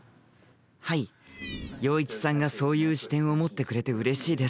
はい陽一さんがそういう視点を持ってくれてうれしいです。